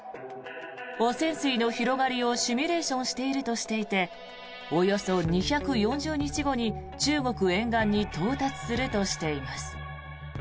汚染水の広がりをシミュレーションしているとしていておよそ２４０日後に中国沿岸に到達するとしています。